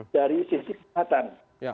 dari sisi kesehatan